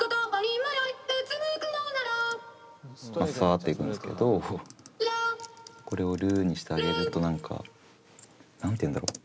サッていくんですけどこれを「る」にしてあげると何か何て言うんだろう。